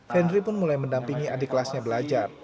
henry pun mulai mendampingi adik kelasnya belajar